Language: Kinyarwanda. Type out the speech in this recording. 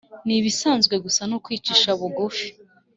nibisanzwe gusa nu ukwicisha bugufi